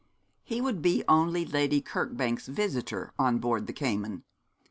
He would be only Lady Kirkbank's visitor on board the Cayman.